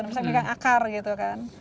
nggak bisa megang akar gitu kan